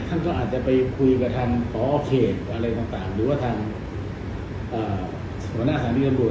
ท่านก็อาจจะไปคุยกับทางอโอเคอะไรต่างหรือว่าทางสมนาศาสนิทจำรวจ